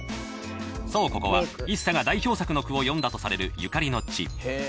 そう、ここは一茶が代表作の句を詠んだとされるゆかりの地。